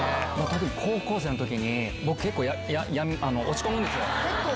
僕、高校生のときに、結構、落ち込むんですよ。